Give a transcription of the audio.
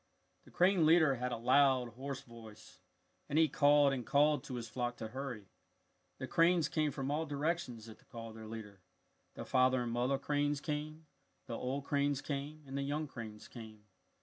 The crane leader had a loud, hoarse voice, and he called and called to his flock to hurry. The cranes came from all directions at the call of their leader. The father and mother cranes came. The old cranes came and the young cranes came.